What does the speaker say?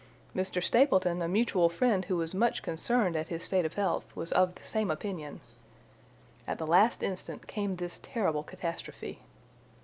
Mr. Stapleton, a mutual friend who was much concerned at his state of health, was of the same opinion. At the last instant came this terrible catastrophe.